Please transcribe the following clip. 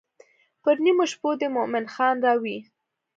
پر نیمو شپو دې مومن خان راوی.